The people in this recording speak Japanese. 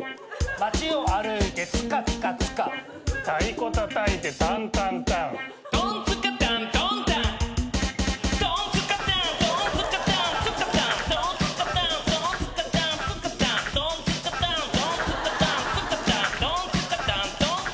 「街を歩いてツカツカツカ」「太鼓たたいてタンタンタン」「トンツカタントンタン」「トンツカタントンツカタンツカタン」「トンツカタントンツカタンツカタン」「トンツカタントンツカタンツカタン」「トンツカタントンタン」